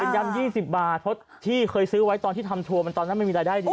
เป็นยำยี่สิบบาทเพราะที่เคยซื้อไว้ตอนที่ทำทัวร์มันตอนนั้นไม่มีอะไรได้ดี